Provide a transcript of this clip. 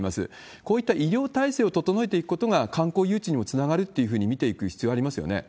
こういった医療体制を整えていくことが、観光誘致にもつながるというふうに見ていく必要ありますよね。